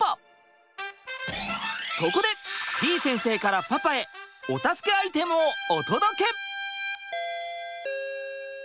てぃ先生からパパへお助けアイテムをお届け！